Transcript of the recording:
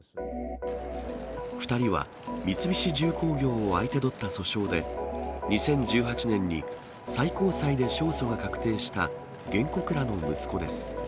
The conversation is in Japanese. ２人は三菱重工業を相手取った訴訟で、２０１８年に最高裁で勝訴が確定した原告らの息子です。